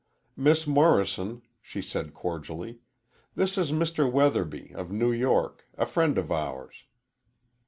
"Miss Morrison," she said cordially, "this is Mr. Weatherby, of New York a friend of ours."